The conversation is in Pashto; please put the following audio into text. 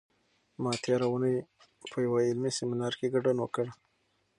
ما تېره اونۍ په یوه علمي سیمینار کې ګډون وکړ.